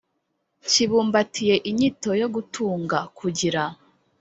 kibumbatiye inyito yo gutunga, kugira,